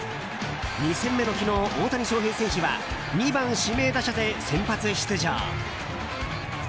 ２戦目の昨日、大谷翔平選手は２番指名打者で先発出場。